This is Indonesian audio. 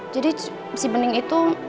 jadi si bening itu